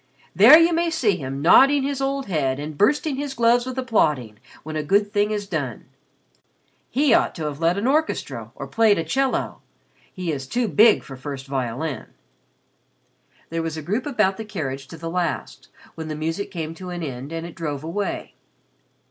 There you may see him nodding his old head and bursting his gloves with applauding when a good thing is done. He ought to have led an orchestra or played a 'cello. He is too big for first violin." There was a group about the carriage to the last, when the music came to an end and it drove away.